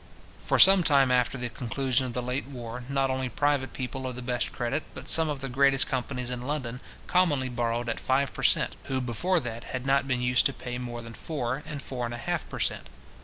For some time after the conclusion of the late war, not only private people of the best credit, but some of the greatest companies in London, commonly borrowed at five per cent. who, before that, had not been used to pay more than four, and four and a half per cent.